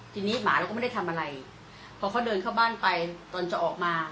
ทีนี้หมาเราก็ไม่ได้ทำอะไรพอเขาเดินเข้าบ้านไปตอนจะออกมา